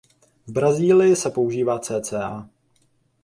V Brazílii se používá cca.